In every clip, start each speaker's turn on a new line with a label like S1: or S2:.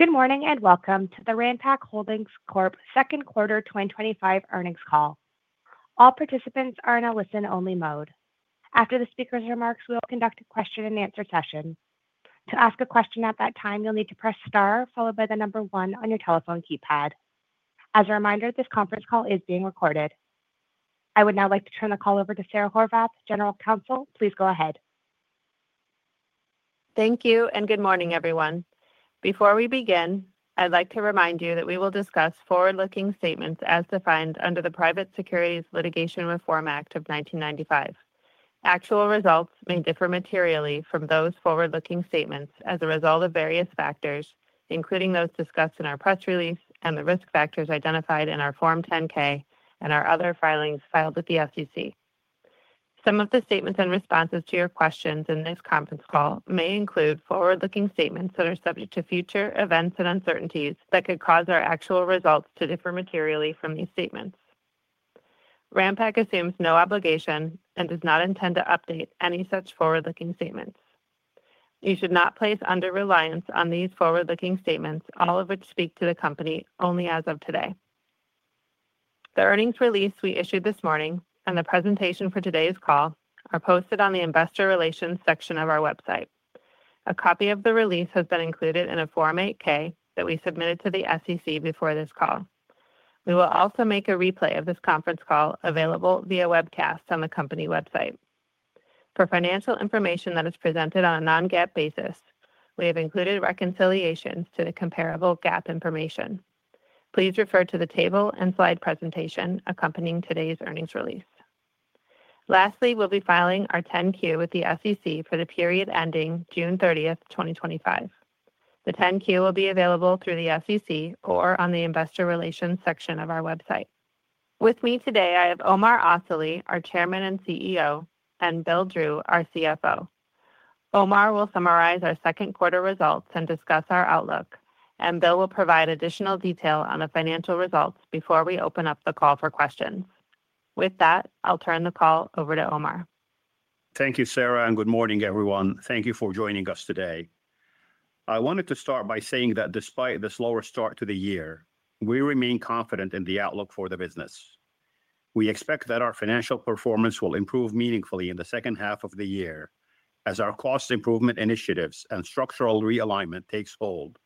S1: Good morning and welcome to the Ranpak Holdings Corp Second Quarter 2025 Earnings Call. All participants are in a listen-only mode. After the speakers' remarks, we'll conduct a question-and-answer session. To ask a question at that time, you'll need to press star followed by the number one on your telephone keypad. As a reminder, this conference call is being recorded. I would now like to turn the call over to Sara Horvath, General Counsel. Please go ahead.
S2: Thank you and good morning, everyone. Before we begin, I'd like to remind you that we will discuss forward-looking statements as defined under the Private Securities Litigation Reform Act of 1995. Actual results may differ materially from those forward-looking statements as a result of various factors, including those discussed in our press release and the risk factors identified in our Form 10-K and our other filings filed with the SEC. Some of the statements and responses to your questions in this conference call may include forward-looking statements that are subject to future events and uncertainties that could cause our actual results to differ materially from these statements. Ranpak assumes no obligation and does not intend to update any such forward-looking statements. You should not place undue reliance on these forward-looking statements, all of which speak to the company only as of today. The earnings release we issued this morning and the presentation for today's call are posted on the Investor Relations section of our website. A copy of the release has been included in a Form 8-K that we submitted to the SEC before this call. We will also make a replay of this conference call available via webcast on the company website. For financial information that is presented on a non-GAAP basis, we have included reconciliations to the comparable GAAP information. Please refer to the table and slide presentation accompanying today's earnings release. Lastly, we'll be filing our 10-Q with the SEC for the period ending June 30, 2025. The 10-Q will be available through the SEC or on the Investor Relations section of our website. With me today, I have Omar Asali, our Chairman and CEO, and Bill Drew, our CFO. Omar will summarize our second quarter results and discuss our outlook, and Bill will provide additional detail on the financial results before we open up the call for questions. With that, I'll turn the call over to Omar.
S3: Thank you, Sara, and good morning, everyone. Thank you for joining us today. I wanted to start by saying that despite the slower start to the year, we remain confident in the outlook for the business. We expect that our financial performance will improve meaningfully in the second half of the year as our cost improvement initiatives and structural realignment take hold,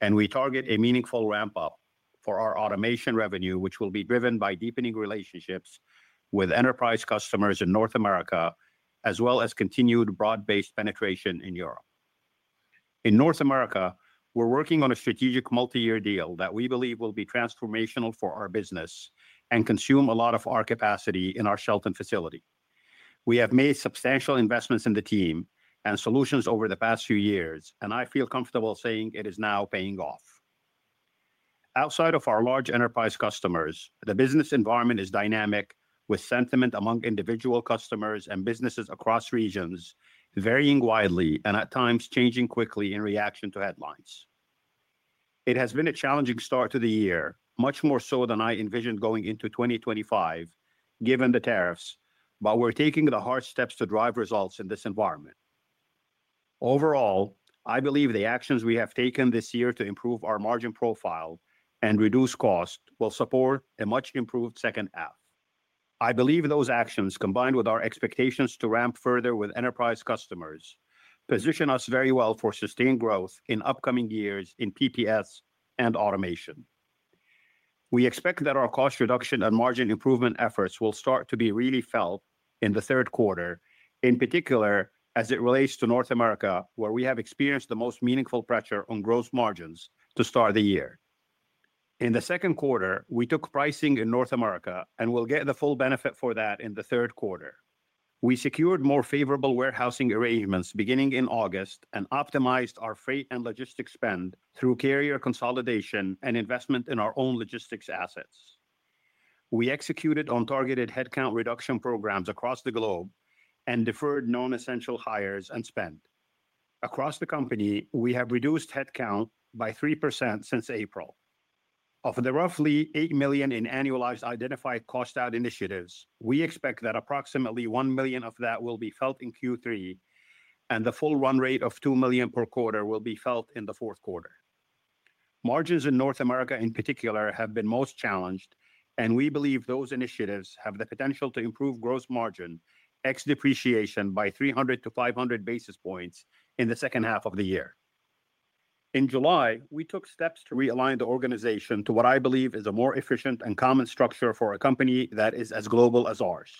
S3: and we target a meaningful ramp-up for our automation revenue, which will be driven by deepening relationships with enterprise customers in North America, as well as continued broad-based penetration in Europe. In North America, we're working on a strategic multi-year deal that we believe will be transformational for our business and consume a lot of our capacity in our Shelton facility. We have made substantial investments in the team and solutions over the past few years, and I feel comfortable saying it is now paying off. Outside of our large enterprise customers, the business environment is dynamic, with sentiment among individual customers and businesses across regions varying widely and at times changing quickly in reaction to headlines. It has been a challenging start to the year, much more so than I envisioned going into 2025, given the tariffs, but we're taking the hard steps to drive results in this environment. Overall, I believe the actions we have taken this year to improve our margin profile and reduce costs will support a much improved second half. I believe those actions, combined with our expectations to ramp further with enterprise customers, position us very well for sustained growth in upcoming years in PPS and automation. We expect that our cost reduction and margin improvement efforts will start to be really felt in the third quarter, in particular as it relates to North America, where we have experienced the most meaningful pressure on gross margins to start the year. In the second quarter, we took pricing in North America and will get the full benefit for that in the third quarter. We secured more favorable warehousing arrangements beginning in August and optimized our freight and logistics spend through carrier consolidation and investment in our own logistics assets. We executed on targeted headcount reduction programs across the globe and deferred non-essential hires and spend. Across the company, we have reduced headcount by 3% since April. Of the roughly $8 million in annualized identified cost-out initiatives, we expect that approximately $1 million of that will be felt in Q3, and the full run rate of $2 million per quarter will be felt in the fourth quarter. Margins in North America in particular have been most challenged, and we believe those initiatives have the potential to improve gross margin ex-depreciation by 300 basis points-500 basis points in the second half of the year. In July, we took steps to realign the organization to what I believe is a more efficient and common structure for a company that is as global as ours.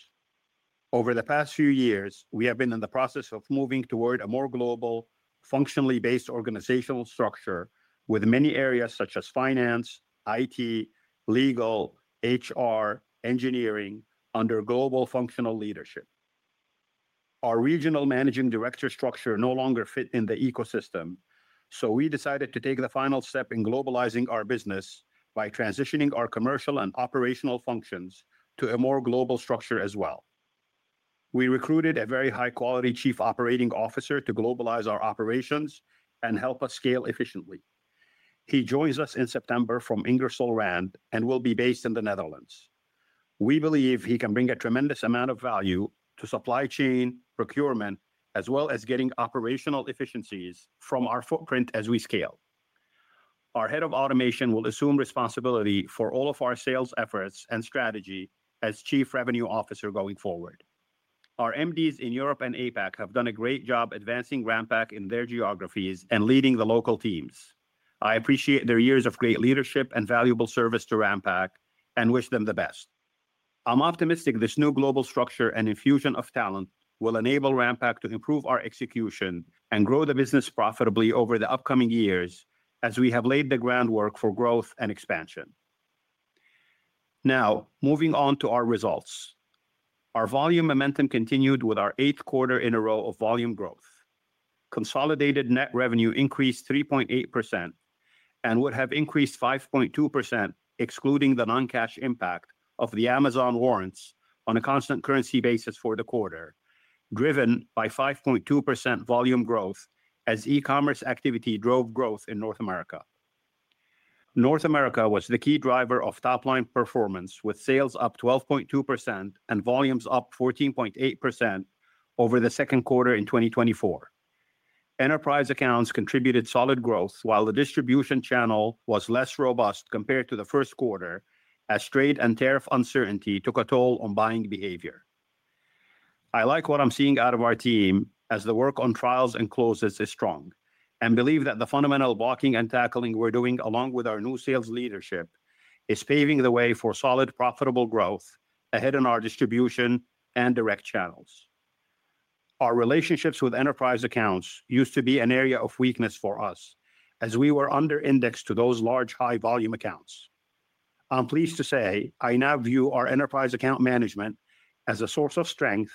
S3: Over the past few years, we have been in the process of moving toward a more global, functionally based organizational structure with many areas such as finance, IT, legal, HR, engineering under global functional leadership. Our regional Managing Director structure no longer fits in the ecosystem, so we decided to take the final step in globalizing our business by transitioning our commercial and operational functions to a more global structure as well. We recruited a very high-quality Chief Operating Officer to globalize our operations and help us scale efficiently. He joins us in September from Ingersoll Rand and will be based in the Netherlands. We believe he can bring a tremendous amount of value to supply chain, procurement, as well as getting operational efficiencies from our footprint as we scale. Our Head of Automation will assume responsibility for all of our sales efforts and strategy as Chief Revenue Officer going forward. Our Managing Directors in Europe and APAC have done a great job advancing Ranpak in their geographies and leading the local teams. I appreciate their years of great leadership and valuable service to Ranpak and wish them the best. I'm optimistic this new global structure and infusion of talent will enable Ranpak to improve our execution and grow the business profitably over the upcoming years as we have laid the groundwork for growth and expansion. Now, moving on to our results. Our volume momentum continued with our eighth quarter in a row of volume growth. Consolidated net revenue increased 3.8% and would have increased 5.2% excluding the non-cash impact of the Amazon warrants on a constant currency basis for the quarter, driven by 5.2% volume growth as e-commerce activity drove growth in North America. North America was the key driver of top-line performance with sales up 12.2% and volumes up 14.8% over the second quarter in 2024. Enterprise accounts contributed solid growth while the distribution channel was less robust compared to the first quarter as trade and tariff uncertainty took a toll on buying behavior. I like what I'm seeing out of our team as the work on trials and closes is strong and believe that the fundamental blocking and tackling we're doing along with our new sales leadership is paving the way for solid profitable growth ahead in our distribution and direct channels. Our relationships with enterprise accounts used to be an area of weakness for us as we were under-indexed to those large high-volume accounts. I'm pleased to say I now view our enterprise account management as a source of strength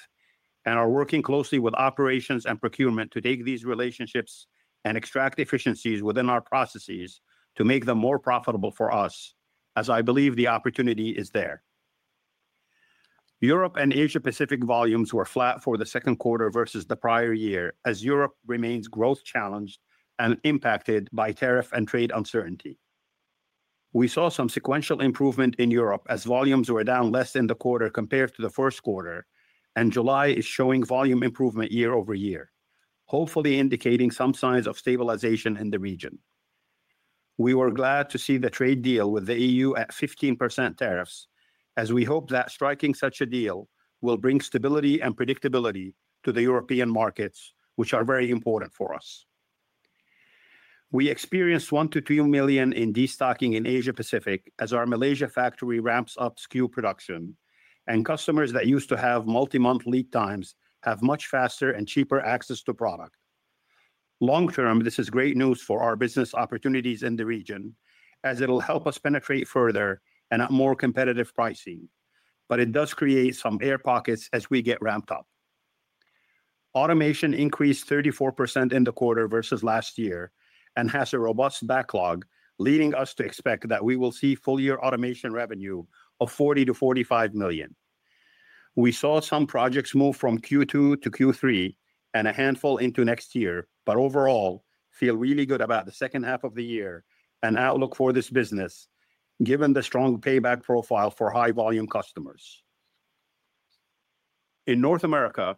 S3: and are working closely with operations and procurement to take these relationships and extract efficiencies within our processes to make them more profitable for us as I believe the opportunity is there. Europe and Asia-Pacific volumes were flat for the second quarter versus the prior year as Europe remains growth-challenged and impacted by tariff and trade uncertainty. We saw some sequential improvement in Europe as volumes were down less in the quarter compared to the first quarter, and July is showing volume improvement year-over-year, hopefully indicating some signs of stabilization in the region. We were glad to see the trade deal with the EU at 15% tariffs as we hope that striking such a deal will bring stability and predictability to the European markets, which are very important for us. We experienced $1 million-$2 million in destocking in Asia-Pacific as our Malaysia factory ramps up SKU production, and customers that used to have multi-month lead times have much faster and cheaper access to product. Long term, this is great news for our business opportunities in the region as it'll help us penetrate further and at more competitive pricing, but it does create some air pockets as we get ramped up. Automation increased 34% in the quarter versus last year and has a robust backlog, leading us to expect that we will see full-year automation revenue of $40 million-$45 million. We saw some projects move from Q2 to Q3 and a handful into next year, but overall feel really good about the second half of the year and outlook for this business, given the strong payback profile for high-volume customers. In North America,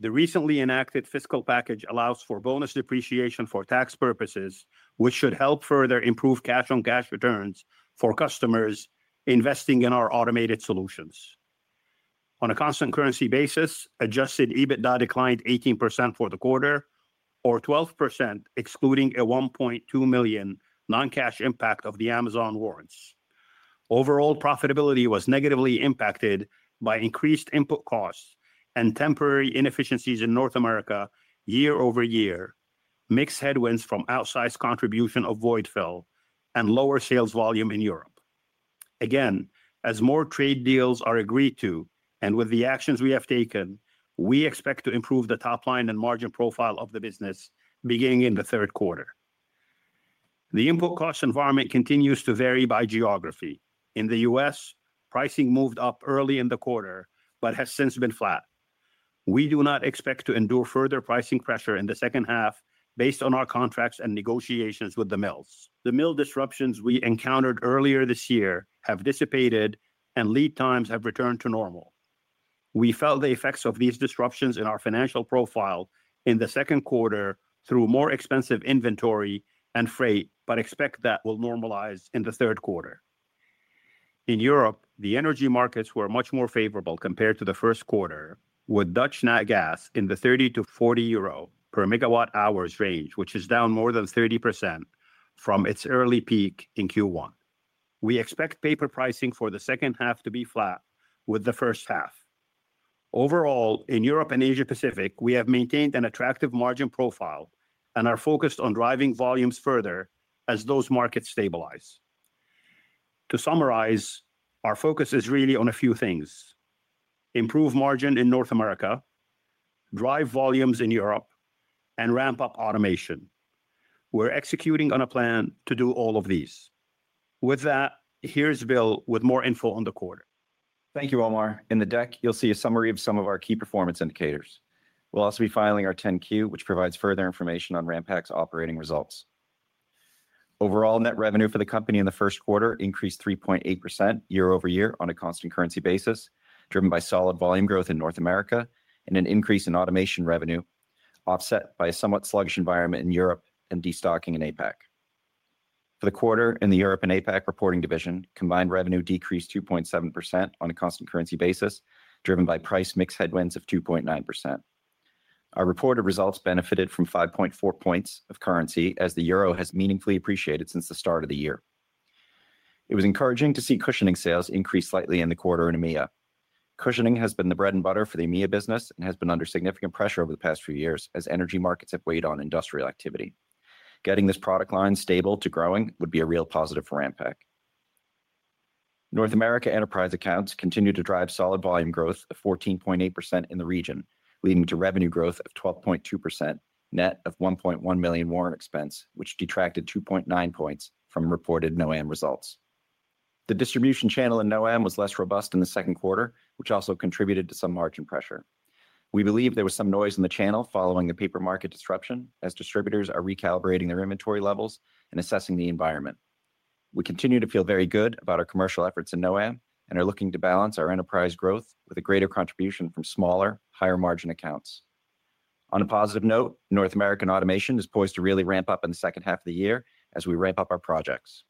S3: the recently enacted fiscal package allows for bonus depreciation for tax purposes, which should help further improve cash-on-cash returns for customers investing in our automated solutions. On a constant currency basis, adjusted EBITDA declined 18% for the quarter, or 12% excluding a $1.2 million non-cash impact of the Amazon warrants. Overall profitability was negatively impacted by increased input costs and temporary inefficiencies in North America year-over-year, mixed headwinds from outsized contribution of Voidfill, and lower sales volume in Europe. Again, as more trade deals are agreed to and with the actions we have taken, we expect to improve the top-line and margin profile of the business beginning in the third quarter. The input cost environment continues to vary by geography. In the U.S., pricing moved up early in the quarter but has since been flat. We do not expect to endure further pricing pressure in the second half based on our contracts and negotiations with the mills. The mill disruptions we encountered earlier this year have dissipated, and lead times have returned to normal. We felt the effects of these disruptions in our financial profile in the second quarter through more expensive inventory and freight, but expect that will normalize in the third quarter. In Europe, the energy markets were much more favorable compared to the first quarter, with Dutch nat gas in the 30-40 euro per megawatt hours range, which is down more than 30% from its early peak in Q1. We expect paper pricing for the second half to be flat with the first half. Overall, in Europe and Asia-Pacific, we have maintained an attractive margin profile and are focused on driving volumes further as those markets stabilize. To summarize, our focus is really on a few things: improve margin in North America, drive volumes in Europe, and ramp up automation. We're executing on a plan to do all of these. With that, here's Bill with more info on the quarter.
S4: Thank you, Omar. In the deck, you'll see a summary of some of our key performance indicators. We'll also be filing our 10-Q, which provides further information on Ranpak's operating results. Overall, net revenue for the company in the first quarter increased 3.8% year-over-year on a constant currency basis, driven by solid volume growth in North America and an increase in automation revenue, offset by a somewhat sluggish environment in Europe and destocking in APAC. For the quarter in the Europe and APAC reporting division, combined revenue decreased 2.7% on a constant currency basis, driven by price mix headwinds of 2.9%. Our reported results benefited from 5.4% of currency as the euro has meaningfully appreciated since the start of the year. It was encouraging to see cushioning sales increase slightly in the quarter in EMEA. Cushioning has been the bread and butter for the EMEA business and has been under significant pressure over the past few years as energy markets have weighed on industrial activity. Getting this product line stable to growing would be a real positive for Ranpak. North America enterprise accounts continue to drive solid volume growth of 14.8% in the region, leading to revenue growth of 12.2%, net of $1.1 million warrant expense, which detracted 2.9% from reported North America results. The distribution channel in North America was less robust in the second quarter, which also contributed to some margin pressure. We believe there was some noise in the channel following the paper market disruption as distributors are recalibrating their inventory levels and assessing the environment. We continue to feel very good about our commercial efforts in North America and are looking to balance our enterprise growth with a greater contribution from smaller, higher margin accounts. On a positive note, North American automation is poised to really ramp up in the second half of the year as we ramp up our projects.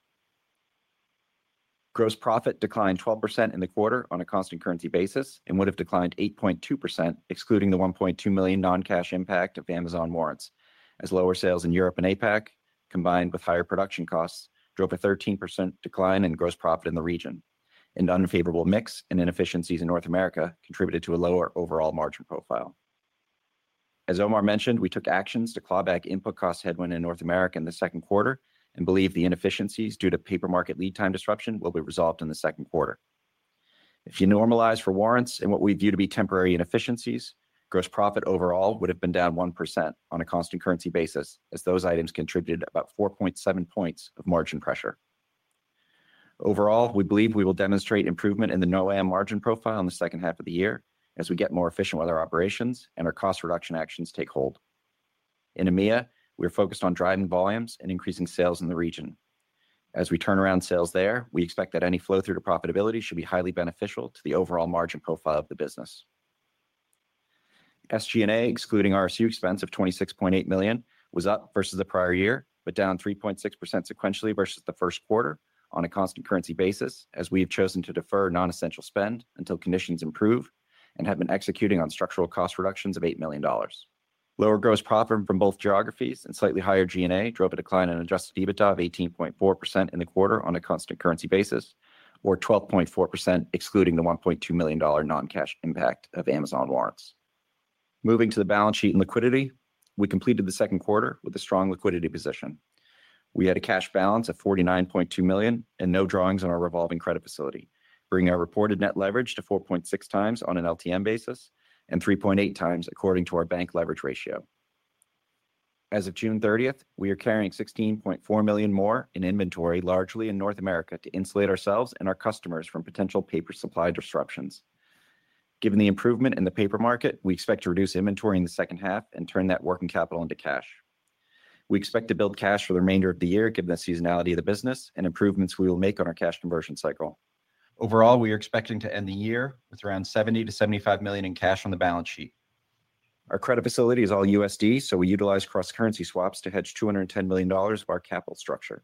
S4: Gross profit declined 12% in the quarter on a constant currency basis and would have declined 8.2% excluding the $1.2 million non-cash impact of Amazon warrants, as lower sales in Europe and APAC combined with higher production costs drove a 13% decline in gross profit in the region. An unfavorable mix and inefficiencies in North America contributed to a lower overall margin profile. As Omar mentioned, we took actions to claw back input cost headwind in North America in the second quarter and believe the inefficiencies due to paper market lead time disruption will be resolved in the second quarter. If you normalize for warrants and what we view to be temporary inefficiencies, gross profit overall would have been down 1% on a constant currency basis as those items contributed about 4.7%of margin pressure. Overall, we believe we will demonstrate improvement in the NOAM margin profile in the second half of the year as we get more efficient with our operations and our cost reduction actions take hold. In EMEA, we're focused on driving volumes and increasing sales in the region. As we turn around sales there, we expect that any flow through to profitability should be highly beneficial to the overall margin profile of the business. SG&A, excluding RSU expense of $26.8 million, was up versus the prior year, but down 3.6% sequentially versus the first quarter on a constant currency basis as we have chosen to defer non-essential spend until conditions improve and have been executing on structural cost reductions of $8 million. Lower gross profit from both geographies and slightly higher G&A drove a decline in adjusted EBITDA of 18.4% in the quarter on a constant currency basis, or 12.4% excluding the $1.2 million non-cash impact of Amazon warrants. Moving to the balance sheet and liquidity, we completed the second quarter with a strong liquidity position. We had a cash balance of $49.2 million and no drawings on our revolving credit facility, bringing our reported net leverage to 4.6xon an LTM basis and 3.8x according to our bank leverage ratio. As of June 30th, we are carrying $16.4 million more in inventory, largely in North America, to insulate ourselves and our customers from potential paper supply disruptions. Given the improvement in the paper market, we expect to reduce inventory in the second half and turn that working capital into cash. We expect to build cash for the remainder of the year given the seasonality of the business and improvements we will make on our cash conversion cycle. Overall, we are expecting to end the year with around $70 million-$75 million in cash on the balance sheet. Our credit facility is all USD, so we utilize cross-currency swaps to hedge $210 million of our capital structure.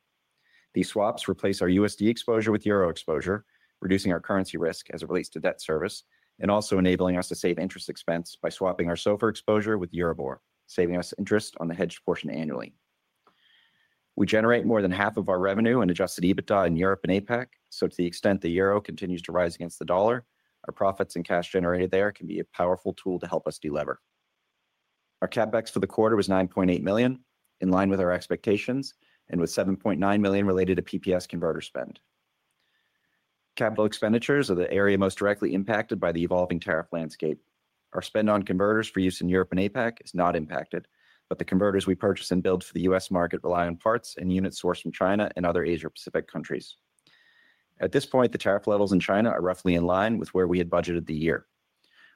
S4: These swaps replace our USD exposure with euro exposure, reducing our currency risk as it relates to debt service and also enabling us to save interest expense by swapping our SOFR exposure with Euribor, saving us interest on the hedged portion annually. We generate more than half of our revenue and adjusted EBITDA in Europe and APAC, so to the extent the euro continues to rise against the dollar, our profits and cash generated there can be a powerful tool to help us deliver. Our CapEx for the quarter was $9.8 million, in line with our expectations, and with $7.9 million related to PPS converter spend. Capital expenditures are the area most directly impacted by the evolving tariff landscape. Our spend on converters for use in Europe and APAC is not impacted, but the converters we purchase and build for the U.S. market rely on parts and units sourced from China and other Asia-Pacific countries. At this point, the tariff levels in China are roughly in line with where we had budgeted the year.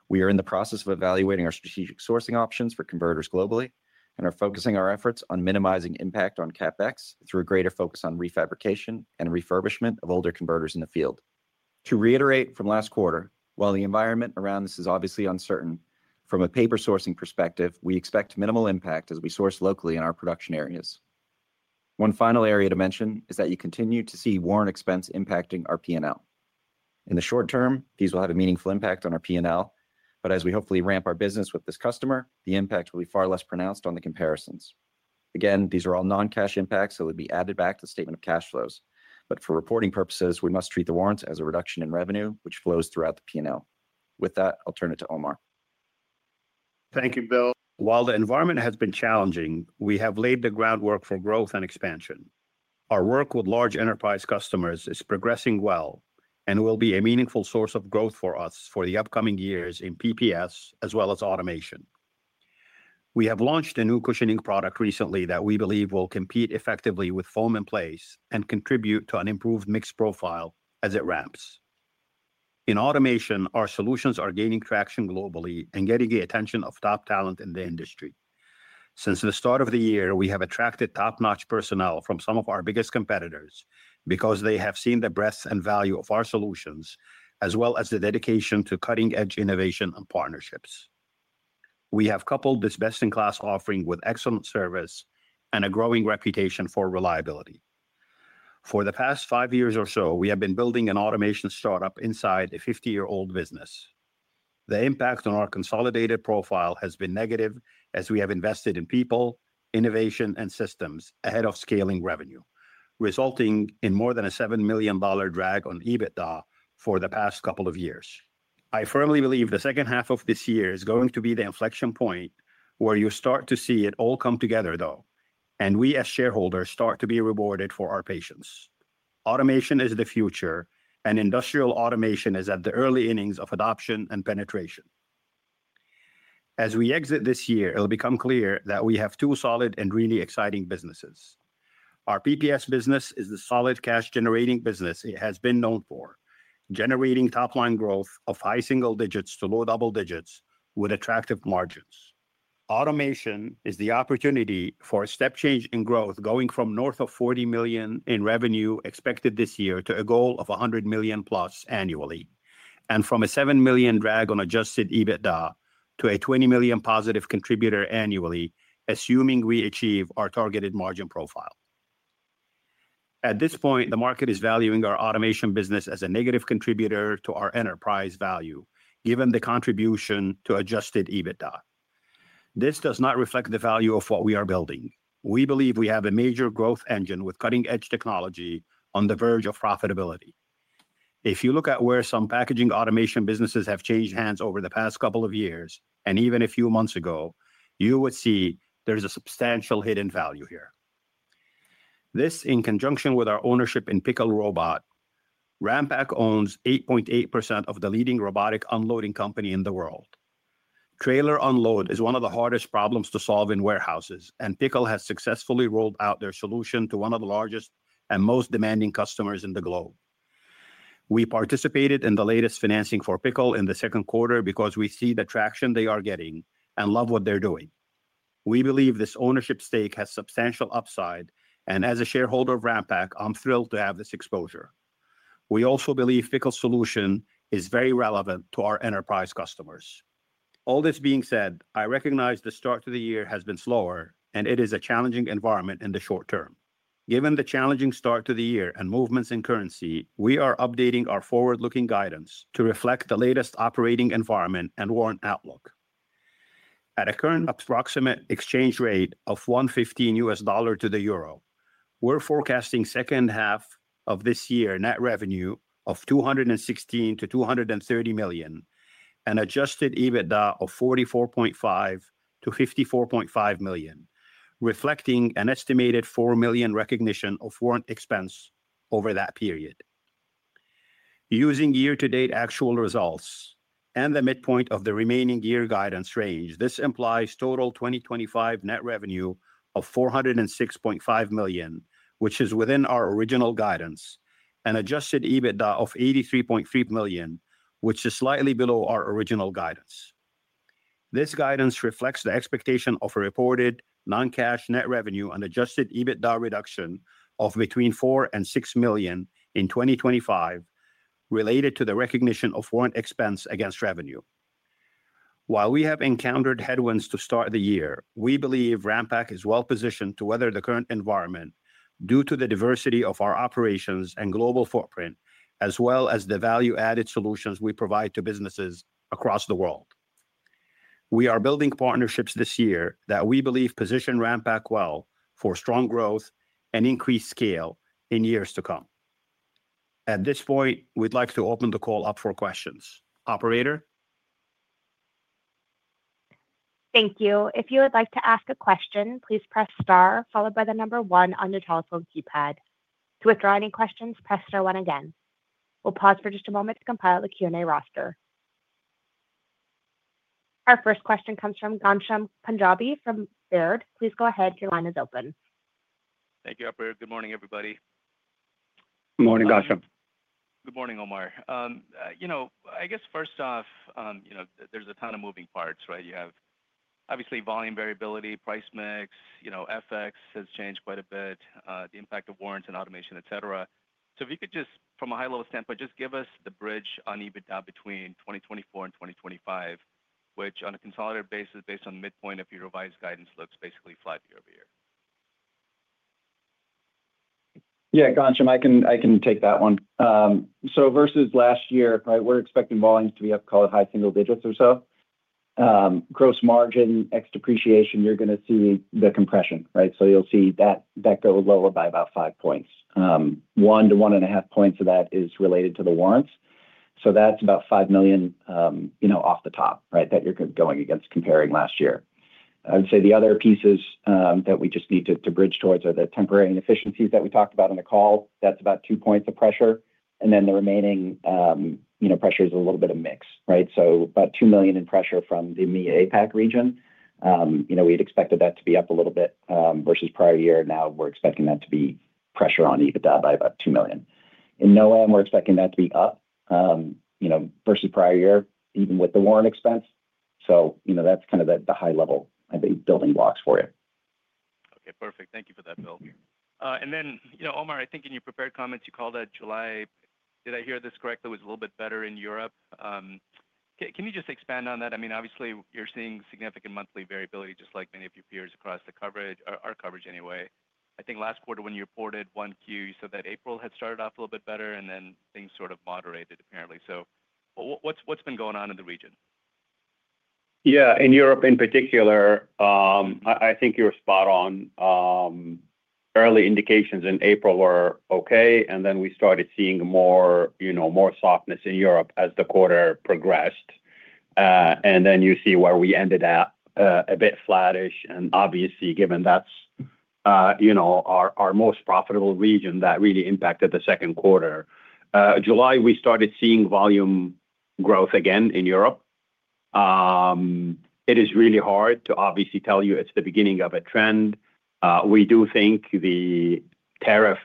S4: We are in the process of evaluating our strategic sourcing options for converters globally and are focusing our efforts on minimizing impact on CapEx through a greater focus on refabrication and refurbishment of older converters in the field. To reiterate from last quarter, while the environment around us is obviously uncertain, from a paper sourcing perspective, we expect minimal impact as we source locally in our production areas. One final area to mention is that you continue to see warrant expense impacting our P&L. In the short term, these will have a meaningful impact on our P&L, but as we hopefully ramp our business with this customer, the impact will be far less pronounced on the comparisons. Again, these are all non-cash impacts, so they'll be added back to the statement of cash flows, but for reporting purposes, we must treat the warrants as a reduction in revenue, which flows throughout the P&L. With that, I'll turn it to Omar.
S3: Thank you, Bill. While the environment has been challenging, we have laid the groundwork for growth and expansion. Our work with large enterprise customers is progressing well and will be a meaningful source of growth for us for the upcoming years in PPS as well as automation. We have launched a new cushioning product recently that we believe will compete effectively with foam in place and contribute to an improved mix profile as it ramps. In automation, our solutions are gaining traction globally and getting the attention of top talent in the industry. Since the start of the year, we have attracted top-notch personnel from some of our biggest competitors because they have seen the breadth and value of our solutions, as well as the dedication to cutting-edge innovation and partnerships. We have coupled this best-in-class offering with excellent service and a growing reputation for reliability. For the past five years or so, we have been building an automation startup inside a 50-year-old business. The impact on our consolidated profile has been negative as we have invested in people, innovation, and systems ahead of scaling revenue, resulting in more than a $7 million drag on EBITDA for the past couple of years. I firmly believe the second half of this year is going to be the inflection point where you start to see it all come together, though, and we as shareholders start to be rewarded for our patience. Automation is the future, and industrial automation is at the early innings of adoption and penetration. As we exit this year, it'll become clear that we have two solid and really exciting businesses. Our PPS business is the solid cash-generating business it has been known for, generating top-line growth of high single digits to low double digits with attractive margins. Automation is the opportunity for a step change in growth going from north of $40 million in revenue expected this year to a goal of $100+ millionannually, and from a $7 million drag on adjusted EBITDA to a $20+ million contributor annually, assuming we achieve our targeted margin profile. At this point, the market is valuing our automation business as a negative contributor to our enterprise value, given the contribution to adjusted EBITDA. This does not reflect the value of what we are building. We believe we have a major growth engine with cutting-edge technology on the verge of profitability. If you look at where some packaging automation businesses have changed hands over the past couple of years, and even a few months ago, you would see there's a substantial hidden value here. This, in conjunction with our ownership in Pickle Robot, Ranpak owns 8.8% of the leading robotic unloading company in the world. Trailer unload is one of the hardest problems to solve in warehouses, and Pickle has successfully rolled out their solution to one of the largest and most demanding customers in the globe. We participated in the latest financing for Pickle in the second quarter because we see the traction they are getting and love what they're doing. We believe this ownership stake has substantial upside, and as a shareholder of Ranpak, I'm thrilled to have this exposure. We also believe Pickle's solution is very relevant to our enterprise customers. All this being said, I recognize the start of the year has been slower, and it is a challenging environment in the short term. Given the challenging start to the year and movements in currency, we are updating our forward-looking guidance to reflect the latest operating environment and warrant outlook. At a current approximate exchange rate of $1.15 to the euro, we're forecasting the second half of this year net revenue of $216 million-$230 million and adjusted EBITDA of $44.5 million-$54.5 million, reflecting an estimated $4 million recognition of warrant expense over that period. Using year-to-date actual results and the midpoint of the remaining year guidance range, this implies total 2025 net revenue of $406.5 million, which is within our original guidance, and adjusted EBITDA of $83.3 million, which is slightly below our original guidance. This guidance reflects the expectation of a reported non-cash net revenue and adjusted EBITDA reduction of between $4 million and $6 million in 2025 related to the recognition of warrant expense against revenue. While we have encountered headwinds to start the year, we believe Ranpak is well-positioned to weather the current environment due to the diversity of our operations and global footprint, as well as the value-added solutions we provide to businesses across the world. We are building partnerships this year that we believe position Ranpak well for strong growth and increased scale in years to come. At this point, we'd like to open the call up for questions. Operator?
S1: Thank you. If you would like to ask a question, please press star followed by the number one on your telephone keypad. To withdraw any questions, press star one again. We'll pause for just a moment to compile the Q&A roster. Our first question comes from Ghansham Panjabi from Baird. Incorporated. Please go ahead. Your line is open.
S5: Thank you, Operator. Good morning, everybody.
S3: Morning, Gansham.
S5: Good morning, Omar. I guess first off, there's a ton of moving parts, right? You have obviously volume variability, price mix, FX has changed quite a bit, the impact of warrants and automation, et cetera. If you could just, from a high-level standpoint, give us the bridge on EBITDA between 2024 and 2025, which on a consolidated basis, based on midpoint, if you revise guidance, looks basically flat year-over-year.
S4: Yeah, Ghansham, I can take that one. Versus last year, right, we're expecting volumes to be up, call it high single digits or so. Gross margin, ex-depreciation, you're going to see the compression, right? You'll see that go lower by about 5%. One to one and a half points of that is related to the warrants. That's about $5 million, you know, off the top, right, that you're going against comparing last year. I would say the other pieces that we just need to bridge towards are the temporary inefficiencies that we talked about in the call. That's about 2% of pressure. The remaining, you know, pressure is a little bit of a mix, right? About $2 million in pressure from the EMEA APAC region. We'd expected that to be up a little bit versus prior year. Now we're expecting that to be pressure on EBITDA by about $2 million. In North America, we're expecting that to be up, you know, versus prior year, even with the warrant expense. That's kind of the high-level, I think, building blocks for you.
S5: Okay, perfect. Thank you for that, Bill. Omar, I think in your prepared comments, you called out July, did I hear this correctly, was a little bit better in Europe. Can you just expand on that? I mean, obviously, you're seeing significant monthly variability, just like many of your peers across the coverage, our coverage anyway. I think last quarter when you reported 1Q, you said that April had started off a little bit better, and then things sort of moderated, apparently. What's been going on in the region?
S3: Yeah, in Europe in particular, I think you're spot on. Early indications in April were okay, and then we started seeing more softness in Europe as the quarter progressed. You see where we ended up a bit flattish, and obviously, given that's our most profitable region, that really impacted the second quarter. July, we started seeing volume growth again in Europe. It is really hard to obviously tell you it's the beginning of a trend. We do think the tariff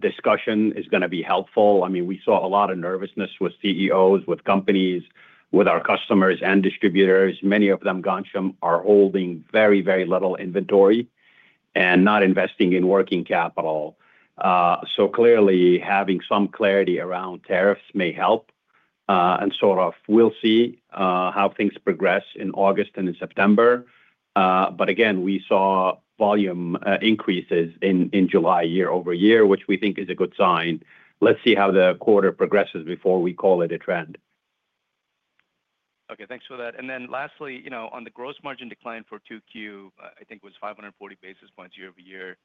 S3: discussion is going to be helpful. I mean, we saw a lot of nervousness with CEOs, with companies, with our customers and distributors. Many of them, Ghansham, are holding very, very little inventory and not investing in working capital. Clearly, having some clarity around tariffs may help, and we'll see how things progress in August and in September. Again, we saw volume increases in July year-over-year, which we think is a good sign. Let's see how the quarter progresses before we call it a trend.
S5: Okay, thanks for that. Lastly, on the gross margin decline for 2Q, I think it was 540 basis points year-over-year.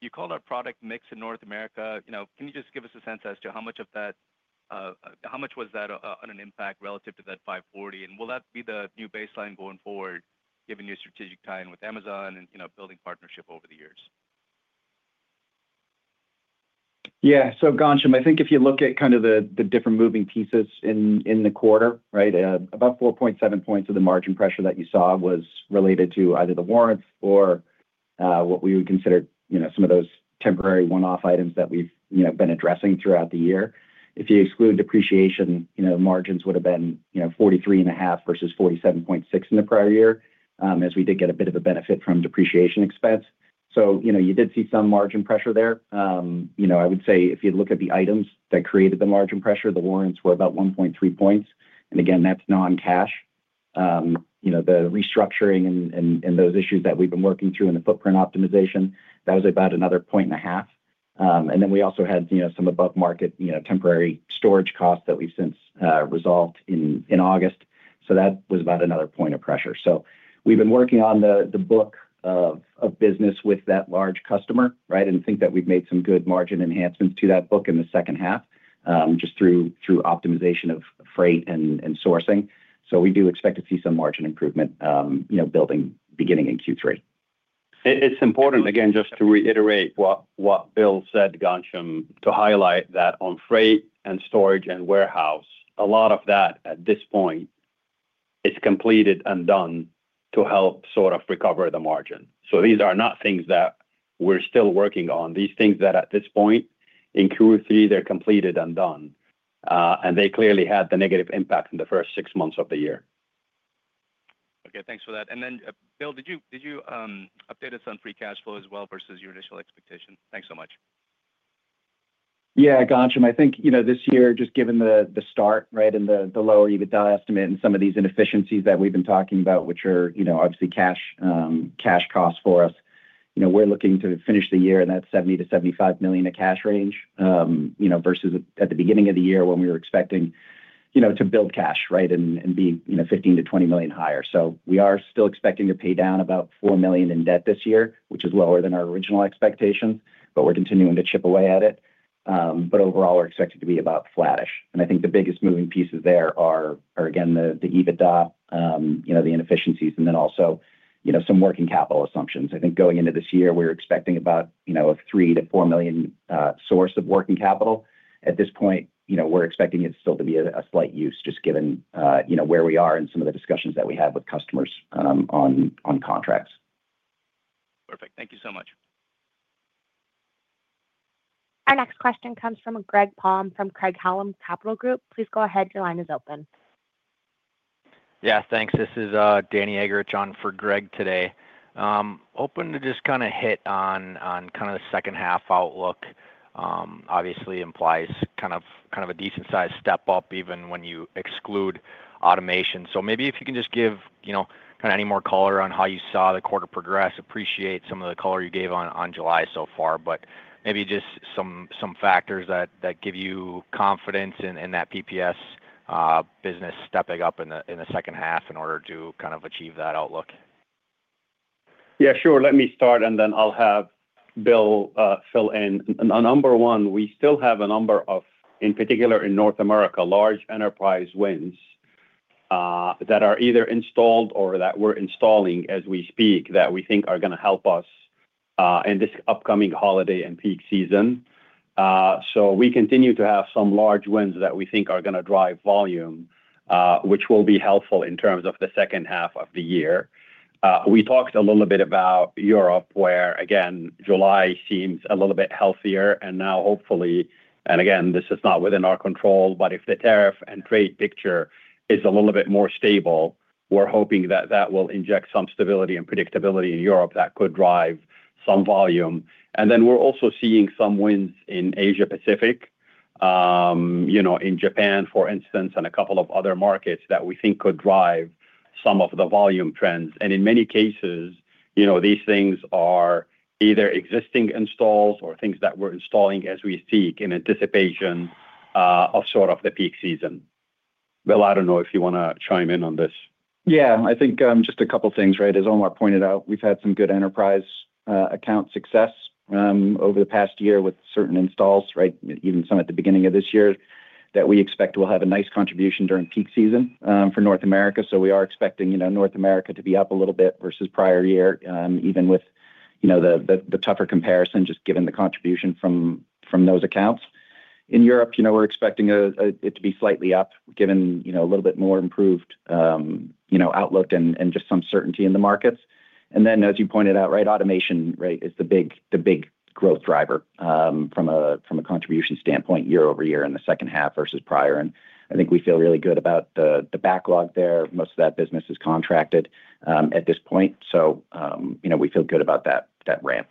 S5: You called out product mix in North America. Can you just give us a sense as to how much of that, how much was that on an impact relative to that 540 basis points? Will that be the new baseline going forward, given your strategic tie-in with Amazon and building partnership over the years?
S4: Yeah, so Ghansham, I think if you look at kind of the different moving pieces in the quarter, right, about 4.7% of the margin pressure that you saw was related to either the warrants or what we would consider, you know, some of those temporary one-off items that we've, you know, been addressing throughout the year. If you exclude depreciation, you know, the margins would have been, you know, 43.5% versus 47.6% in the prior year, as we did get a bit of a benefit from depreciation expense. You did see some margin pressure there. I would say if you look at the items that created the margin pressure, the warrants were about 1.3%. Again, that's non-cash. The restructuring and those issues that we've been working through in the footprint optimization, that was about another 1.5%. We also had some above-market, temporary storage costs that we've since resolved in August. That was about another point of pressure. We've been working on the book of business with that large customer, right? I think that we've made some good margin enhancements to that book in the second half, just through optimization of freight and sourcing. We do expect to see some margin improvement building beginning in Q3.
S3: It's important, again, just to reiterate what Bill said, Ghansham, to highlight that on freight and storage and warehouse, a lot of that at this point is completed and done to help sort of recover the margin. These are not things that we're still working on. These things that at this point in Q3, they're completed and done. They clearly had the negative impact in the first six months of the year.
S5: Okay, thanks for that. Bill, did you update us on free cash flow as well versus your initial expectation? Thanks so much.
S4: Yeah, Ghansham, I think this year, just given the start, right, and the lower EBITDA estimate and some of these inefficiencies that we've been talking about, which are obviously cash costs for us, we're looking to finish the year in that $70 million-$75 million cash range, versus at the beginning of the year when we were expecting to build cash, right, and be $15 million-$20 million higher. We are still expecting to pay down about $4 million in debt this year, which is lower than our original expectation, but we're continuing to chip away at it. Overall, we're expected to be about flattish. I think the biggest moving pieces there are, again, the EBITDA, the inefficiencies, and then also some working capital assumptions. I think going into this year, we were expecting about a $3 million-$4 million source of working capital. At this point, we're expecting it still to be a slight use, just given where we are and some of the discussions that we have with customers on contracts.
S5: Perfect. Thank you so much.
S1: Our next question comes from Greg Palm from Craig-Hallum Capital Group. Please go ahead. Your line is open.
S6: Yeah, thanks. This is Danny on for Greg today. I'm open to just kind of hit on kind of the second half outlook. Obviously, it implies kind of a decent sized step up even when you exclude automation. Maybe if you can just give, you know, kind of any more color on how you saw the quarter progress. Appreciate some of the color you gave on July so far, but maybe just some factors that give you confidence in that PPS business stepping up in the second half in order to kind of achieve that outlook.
S3: Yeah, sure. Let me start, and then I'll have Bill fill in. Number one, we still have a number of, in particular in North America, large enterprise wins that are either installed or that we're installing as we speak that we think are going to help us in this upcoming holiday and peak season. We continue to have some large wins that we think are going to drive volume, which will be helpful in terms of the second half of the year. We talked a little bit about Europe, where July seems a little bit healthier, and now hopefully, and again, this is not within our control, but if the tariff and trade picture is a little bit more stable, we're hoping that will inject some stability and predictability in Europe that could drive some volume. We're also seeing some wins in Asia-Pacific, you know, in Japan, for instance, and a couple of other markets that we think could drive some of the volume trends. In many cases, these things are either existing installs or things that we're installing as we speak in anticipation of the peak season. Bill, I don't know if you want to chime in on this.
S4: Yeah, I think just a couple of things, right? As Omar pointed out, we've had some good enterprise account success over the past year with certain installs, even some at the beginning of this year that we expect will have a nice contribution during peak season for North America. We are expecting North America to be up a little bit versus prior year, even with the tougher comparison, just given the contribution from those accounts. In Europe, we're expecting it to be slightly up, given a little bit more improved outlook and just some certainty in the markets. As you pointed out, automation is the big growth driver from a contribution standpoint year-over-year in the second half versus prior. I think we feel really good about the backlog there. Most of that business is contracted at this point. We feel good about that ramp.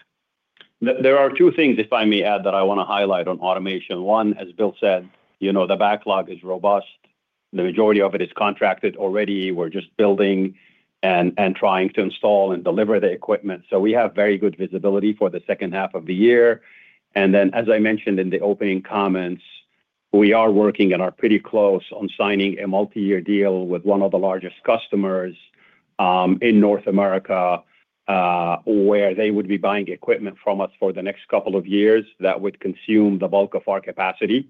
S3: There are two things, if I may add, that I want to highlight on automation. One, as Bill said, the backlog is robust. The majority of it is contracted already. We're just building and trying to install and deliver the equipment. We have very good visibility for the second half of the year. As I mentioned in the opening comments, we are working and are pretty close on signing a multi-year deal with one of the largest customers in North America, where they would be buying equipment from us for the next couple of years that would consume the bulk of our capacity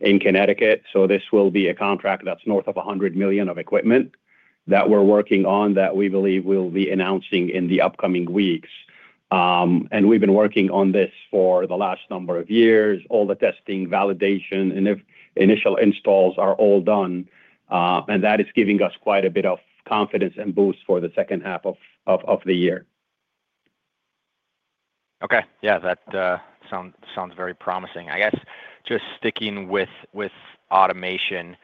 S3: in Connecticut. This will be a contract that's north of $100 million of equipment that we're working on that we believe we'll be announcing in the upcoming weeks. We've been working on this for the last number of years, all the testing, validation, and initial installs are all done. That is giving us quite a bit of confidence and boost for the second half of the year.
S6: Okay, yeah, that sounds very promising. I guess just sticking with automation,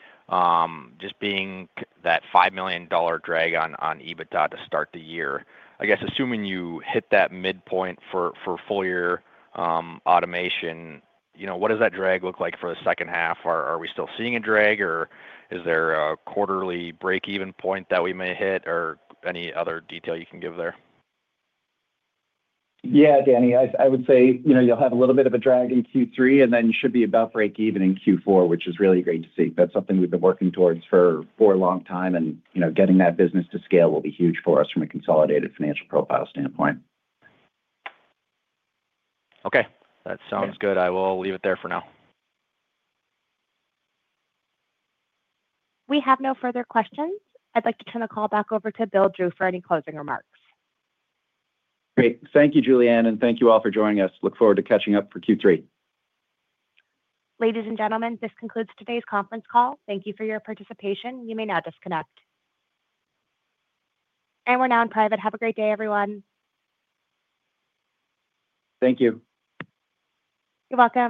S6: just being that $5 million drag on EBITDA to start the year, I guess assuming you hit that midpoint for full-year automation, you know, what does that drag look like for the second half? Are we still seeing a drag, or is there a quarterly break-even point that we may hit, or any other detail you can give there?
S4: Yeah, Danny, I would say, you know, you'll have a little bit of a drag in Q3, and then you should be about break-even in Q4, which is really great to see. That's something we've been working towards for a long time, and, you know, getting that business to scale will be huge for us from a consolidated financial profile standpoint.
S6: Okay, that sounds good. I will leave it there for now.
S1: We have no further questions. I'd like to turn the call back over to Bill Drew for any closing remarks.
S4: Great. Thank you, Julianne, and thank you all for joining us. Look forward to catching up for Q3.
S1: Ladies and gentlemen, this concludes today's conference call. Thank you for your participation. You may now disconnect. We're now in private. Have a great day, everyone.
S4: Thank you.
S1: You're welcome.